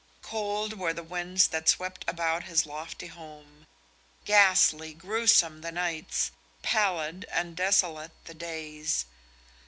Cold were the winds that swept about his lofty home; ghastly, gruesome the nights, pallid and desolate the days.